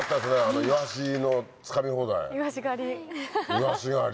イワシ狩り。